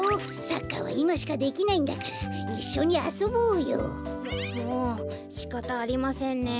サッカーはいましかできないんだからいっしょにあそぼうよ。ももうしかたありませんね。